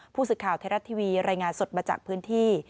ผู้สื่อข่าวไทยรัฐทีวีรายงานสดมาจากพื้นที่